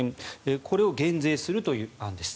これを減税するという案です。